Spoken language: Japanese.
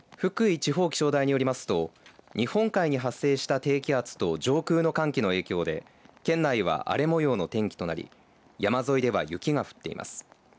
地方気象台によりますと日本海に発生した低気圧と上空の寒気の影響で県内は、荒れもようの天気となり山沿いでは雪が降っています。